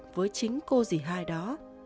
với chính cô dì hai đó